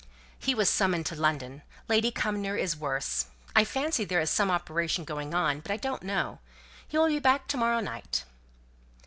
"He was summoned up to London. Lady Cumnor is worse. I fancy there is some operation going on; but I don't know. He will be back to morrow night."